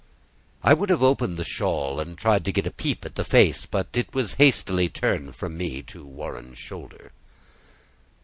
I would have opened the shawl, and tried to get a peep at the face, but it was hastily turned from me to Warren's shoulder.